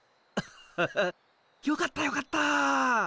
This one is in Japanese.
アハハよかったよかった。